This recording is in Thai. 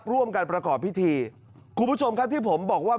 ร่วมกันประกอบพิธีคุณผู้ชมครับที่ผมบอกว่า